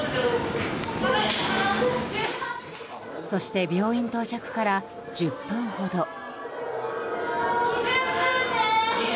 そして、病院到着から１０分ほど。